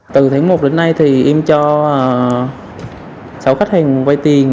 từ tháng một đến nay thì em cho sáu khách hàng vay tiền